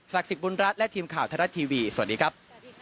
สิทธิบุญรัฐและทีมข่าวไทยรัฐทีวีสวัสดีครับ